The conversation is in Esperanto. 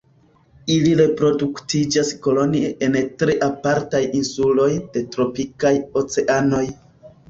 Ili reproduktiĝas kolonie en tre apartaj insuloj de tropikaj oceanoj.